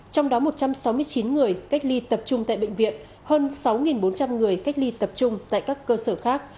trong đó một trăm sáu mươi chín người cách ly tập trung tại bệnh viện hơn sáu bốn trăm linh người cách ly tập trung tại các cơ sở khác